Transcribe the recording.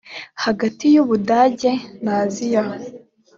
hagati y u budage naziya